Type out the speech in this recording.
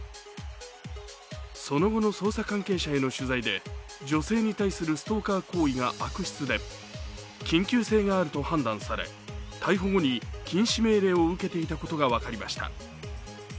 その後の捜査関係者への取材で、女性に対するストーカー行為が悪質で緊急性があると判断され、逮捕後に禁止命令を受けていたことが分かりました。